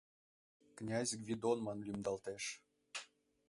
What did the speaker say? Князь Гвидон ман лӱмдалтеш.